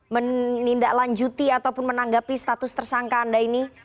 menindaklanjuti ataupun menanggapi status tersangka anda ini